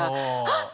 「あっ！」